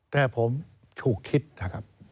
แต่ผมถูกคิดนะครับ